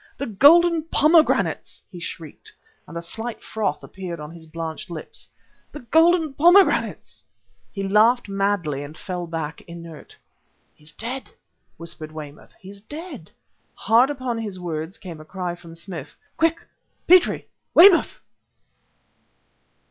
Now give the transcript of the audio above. "The golden pomegranates!" he shrieked, and a slight froth appeared on his blanched lips. "The golden pomegranates!" He laughed madly, and fell back inert. "He's dead!" whispered Weymouth; "he's dead!" Hard upon his words came a cry from Smith: "Quick! Petrie! Weymouth!"